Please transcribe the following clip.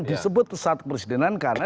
disebut saat presidenan karena